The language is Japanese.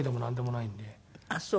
ああそう。